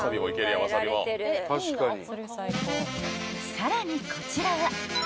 ［さらにこちらはある］